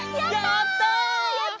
やった！